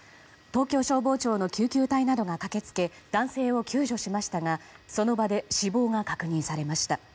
東京消防庁の救急隊などが駆け付け男性を救助しましたがその場で死亡が確認されました。